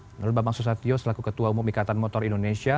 menurut bambang susatyo selaku ketua umum ikatan motor indonesia